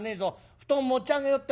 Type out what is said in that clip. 布団持ち上げようってんで腰